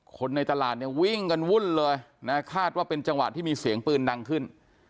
คนในตลาดเนี่ยวิ่งกันวุ่นเลยนะคาดว่าเป็นจังหวะที่มีเสียงปืนดังขึ้น